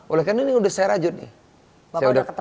oleh karena ini udah saya rajut nih